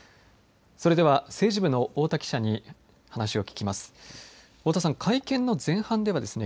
それでは政治部の太田記者に話を聞きます。